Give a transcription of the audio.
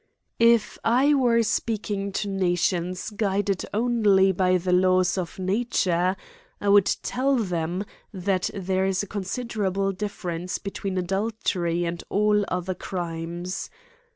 If I were speaking to nations guided only by the laws of nature, I would tell them, that there is a .considerable difference between adultery and all other crimes.